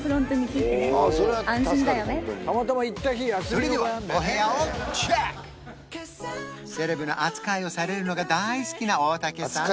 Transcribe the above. それではセレブな扱いをされるのが大好きな大竹さん